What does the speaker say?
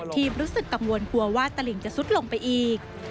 รู้สึกกังวลกลัวว่าตลิ่งจะซุดลงไปอีก